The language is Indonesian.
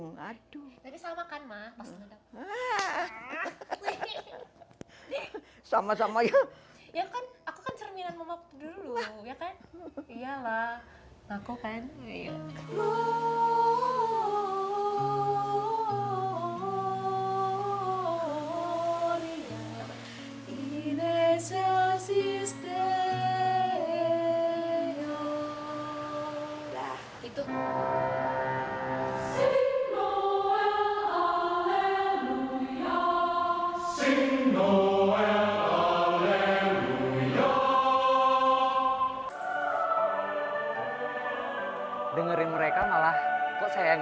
gitu langsung aduh sama sama ya iya aku kan cerminan momok dulu ya kan iyalah aku kan